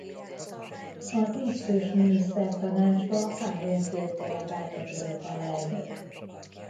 A tíz fős minisztertanácsba három főt delegált a török alelnök.